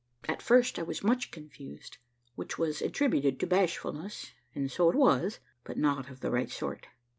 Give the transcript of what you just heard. At first I was much confused, which was attributed to bashfulness; and so it was, but not of the right sort.